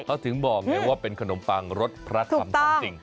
เขาถึงบอกไงว่าเป็นขนมปังรสพระธรรมของจริง